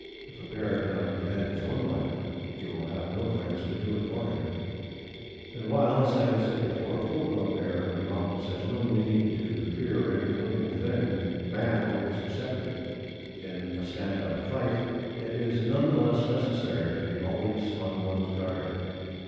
If a bear cannot defend his own life, he will have no friends to do it for him; and while, as I have said before, a full grown bear in the mountains has no need to fear any living thing, man always excepted, in stand up fight, it is none the less necessary to be always on one's guard.